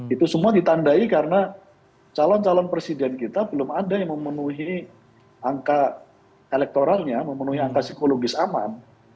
itu semua ditandai karena calon calon presiden kita belum ada yang memenuhi angka elektoralnya memenuhi angka psikologis aman